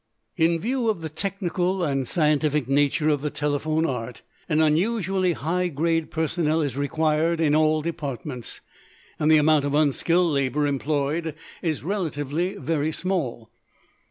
In view of the technical and scientific nature of the telephone art, an unusually high grade personnel is required in all departments, and the amount of unskilled labor employed is relatively very small.